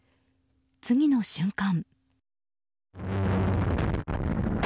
次の瞬間。